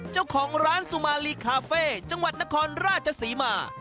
เจ้าของร้านสุมาลีคาเฟ่จังหวัดนครราชศรีมา